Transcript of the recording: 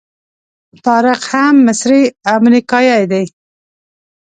طارق هم مصری امریکایي دی.